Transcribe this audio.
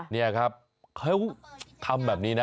นี่ครับเขาทำแบบนี้นะ